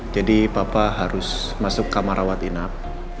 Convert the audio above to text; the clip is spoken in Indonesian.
papa harus masuk kamar rawat inap